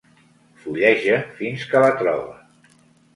Fulleja fins que la troba.